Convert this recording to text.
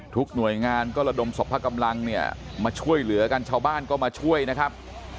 หน่วยงานก็ระดมสรรพกำลังเนี่ยมาช่วยเหลือกันชาวบ้านก็มาช่วยนะครับ